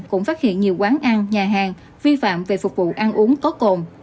cũng phát hiện nhiều quán ăn nhà hàng vi phạm về phục vụ ăn uống có cồn